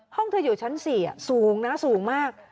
ข้องที่อยู่ชั้น๔อ่ะสูงซ่ะสูงมาก